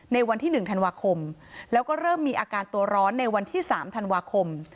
ในวันที่๑ธันวาคมแล้วก็เริ่มมีอาการตัวร้อนในวันที่๓ธันวาคม